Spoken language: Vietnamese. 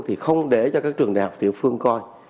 thì không để cho các trường đại học tiểu phương coi